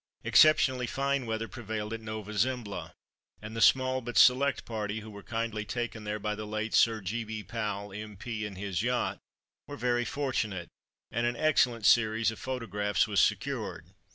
Exceptionally fine weather prevailed at Nova Zembla, and the small but select party who were kindly taken there by the late Sir G. B. Powell, M.P., in his yacht, were very fortunate, and an excellent series of photographs was secured.